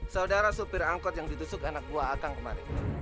saudara sopir angkot yang ditusuk anak buah a kang kemarin